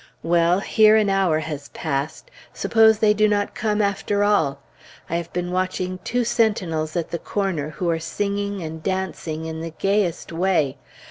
Well! here an hour has passed; suppose they do not come after all? I have been watching two sentinels at the corner, who are singing and dancing in the gayest way.